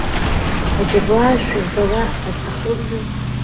Аџьабаа шәырбара аҭахымзар?